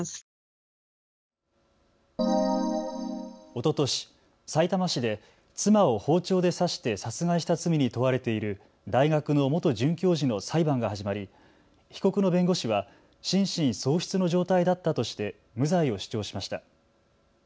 おととし、さいたま市で妻を包丁で刺して殺害した罪に問われている大学の元准教授の裁判が始まり被告の弁護士は心神喪失の状態だったとして無罪を主張しました。